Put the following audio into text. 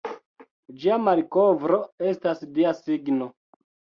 Ĝia malkovro estas Dia signo.